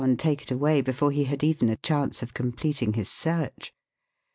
271 and take it away before he had even a chance of com pleting his search.